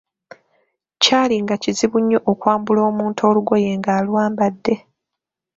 Kyaali nga kizibu nnyo okwambula omuntu olugoye ng'alwambadde.